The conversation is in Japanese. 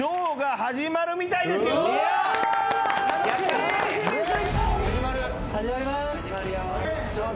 始まりまーす。